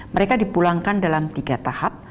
mereka dipulangkan dalam tiga tahap